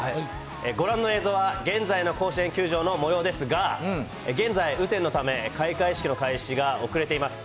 ご覧の映像は、現在の甲子園球場のもようですが、現在、雨天のため、開会式の開始が遅れています。